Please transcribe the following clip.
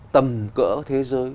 tầm cỡ thế giới